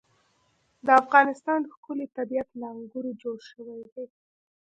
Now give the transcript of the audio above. د افغانستان ښکلی طبیعت له انګورو جوړ شوی دی.